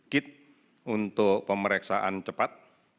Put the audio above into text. kit untuk pemeriksaan cepat